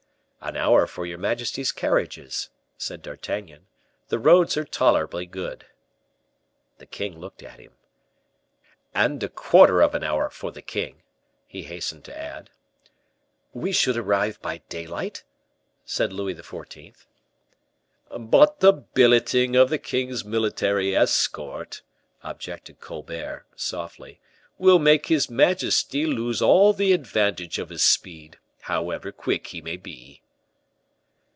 "An hour for your majesty's carriages," said D'Artagnan; "the roads are tolerably good." The king looked at him. "And a quarter of an hour for the king," he hastened to add. "We should arrive by daylight?" said Louis XIV. "But the billeting of the king's military escort," objected Colbert, softly, "will make his majesty lose all the advantage of his speed, however quick he may be."